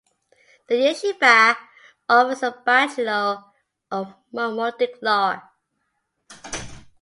The Yeshiva offers a Bachelor of Talmudic Law.